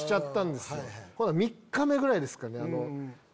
ほんなら３日目ぐらいですかね。